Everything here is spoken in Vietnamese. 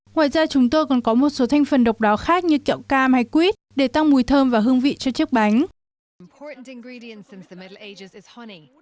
ngoài ra chúng tôi còn có một số thanh phần độc đáo khác như kẹo cam hay quýt để tăng mùi thơm và hương vị cho chiếc bánh